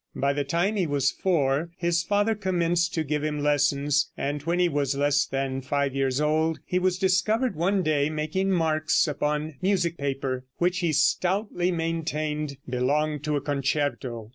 By the time he was four, his father commenced to give him lessons, and when he was less than five years old he was discovered one day making marks upon music paper, which he stoutly maintained belonged to a concerto.